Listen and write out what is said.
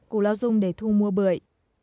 cụ lao dung để thu mua bưởi